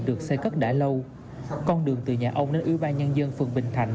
được xây cất đã lâu con đường từ nhà ông đến ưu ban nhân dân phường bình thạnh